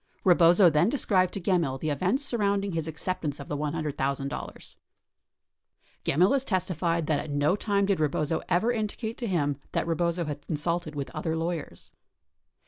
Rebozo then described to Gemmill the events surrounding his acceptance of the $100,000. Gemmill has testified that at no time did Rebozo ever indicate to him that Rebozo had consulted with other lawyers.